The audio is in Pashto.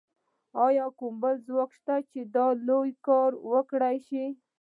ایا بل کوم ځواک شته چې دا لوی کار وکړای شي